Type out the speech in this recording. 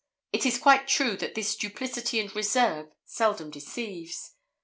It is quite true that this duplicity and reserve seldom deceives.